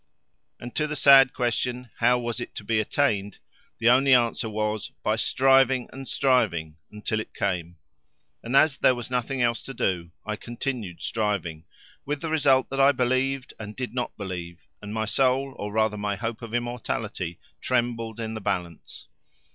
And to the sad question: "How was it to be attained?" the only answer was, by striving and striving until it came. And as there was nothing else to do I continued striving, with the result that I believed and did not believe, and my soul, or rather my hope of immortality, trembled in the balance.